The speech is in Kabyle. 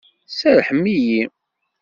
Serrḥem-iyi!